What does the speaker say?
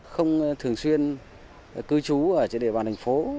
không thường xuyên cư trú ở trên địa bàn thành phố